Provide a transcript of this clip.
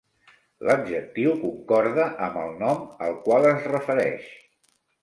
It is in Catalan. L'adjectiu concorda amb el nom al qual es refereix.